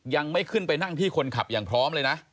ยังไม่ขึ้นไปนั่งที่คนขับอย่างพร้อมเลยนะ